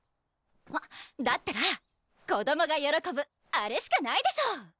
あっだったら子どもがよろこぶあれしかないでしょ！